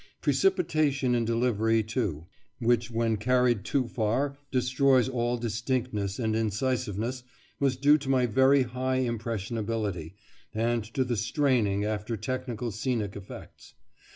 Precipitation in delivery, too, which when carried too far destroys all distinctness and incisiveness, was due to my very high impressionability, and to the straining after technical scenic effects.